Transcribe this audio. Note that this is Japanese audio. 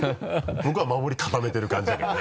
向こうは守り固めてる感じだけどね。